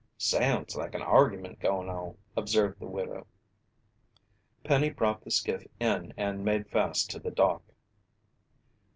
"Sounds like an argument goin' on," observed the widow. Penny brought the skiff in and made fast to the dock.